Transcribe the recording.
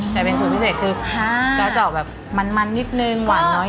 แต่เป็นสูตรพิเศษคือก็จะออกแบบมันนิดนึงหวานน้อย